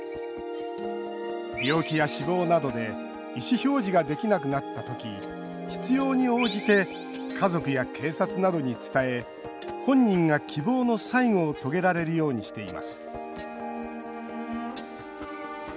病気や死亡などで意思表示ができなくなった時必要に応じて家族や警察などに伝え本人が希望の最期を遂げられるようにしています。